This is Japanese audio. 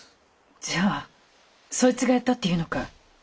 じゃあそいつがやったっていうのかい？